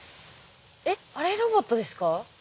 えっあれロボットですか？